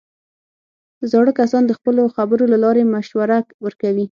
زاړه کسان د خپلو خبرو له لارې مشوره ورکوي